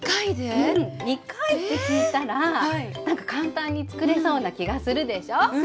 ２回って聞いたらなんか簡単に作れそうな気がするでしょう？